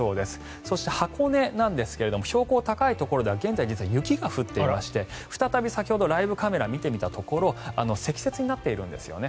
そして、箱根ですが標高が高いところでは現在、実は雪が降っていまして再び先ほどライブカメラを見てみたところ積雪になっているんですね。